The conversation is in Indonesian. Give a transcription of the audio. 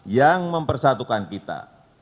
yang mempersatukan kita